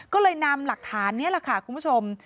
ก็เลยนำหลักฐานนี้แหละค่ะคุณผู้ชม